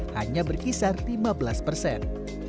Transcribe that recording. hanya berkisar lima belas persen